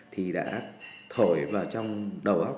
thì đã thổi vào trong đầu óc